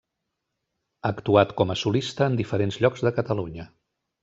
Ha actuat com a solista en diferents llocs de Catalunya.